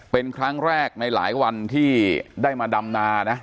เป็นครั้งแรกในหลายวันที่ได้มาดำนานะ